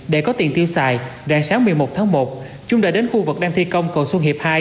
để có tiền tiêu xài rạng sáng một mươi một tháng một trung đã đến khu vực đang thi công cầu xuân hiệp hai